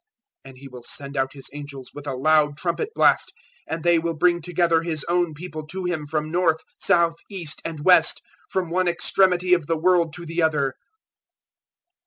024:031 And He will send out His angels with a loud trumpet blast, and they will bring together His own People to Him from north, south, east and west from one extremity of the world to the other.